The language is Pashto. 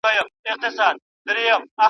چاړه که د سرو زرو وي هم په سینه کي نه وهل کېږي